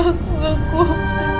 aku gak kuat